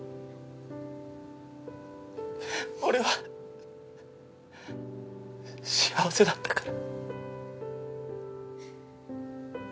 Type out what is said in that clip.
俺は幸せだったから！